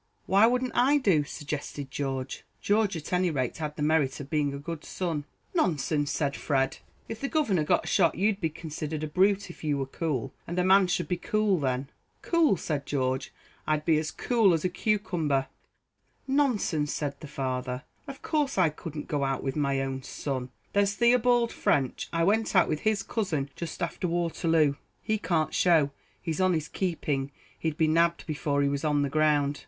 "Why wouldn't I do?" suggested George. George, at any rate, had the merit of being a good son. "Nonsense," said Fred; "if the governor got shot you'd be considered a brute if you were cool; and a man should be cool then." "Cool," said George; "I'd be as cool as a cucumber." "Nonsense," said the father; "of course I couldn't go out with my own son; there's Theobald French; I went out with his cousin just after Waterloo." "He can't show he's on his keeping. He'd be nabbed before he was on the ground."